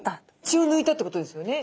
血をぬいたってことですよね？